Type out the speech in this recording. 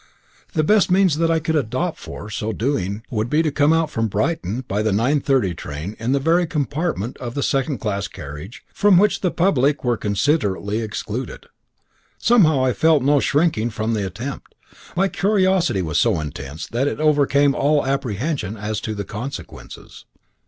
The best means that I could adopt for so doing would be to come out from Brighton by the 9.30 train in the very compartment of the second class carriage from which the public were considerately excluded. Somehow I felt no shrinking from the attempt; my curiosity was so intense that it overcame all apprehension as to the consequences.